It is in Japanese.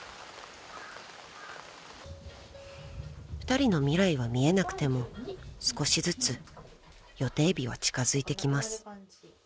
［２人の未来は見えなくても少しずつ予定日は近づいてきます］